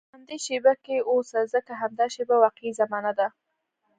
په همدې شېبه کې اوسه، ځکه همدا شېبه واقعي زمانه ده.